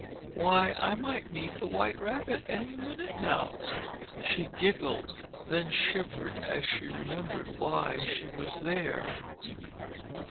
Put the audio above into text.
Why, I might meet the White Rabbit any minute now." She giggled, then shivered as she remembered why she was there.